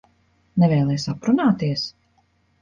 Nevēlies aprunāties?